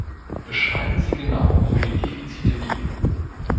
Beschreiben Sie genau, wo die Defizite liegen!